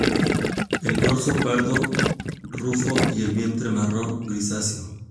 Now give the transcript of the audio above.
El dorso pardo rufo y el vientre marrón grisáceo.